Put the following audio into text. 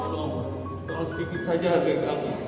tolong tolong sedikit saja harga kami